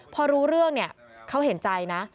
พอรู้เรื่องเขาเห็นใจนะ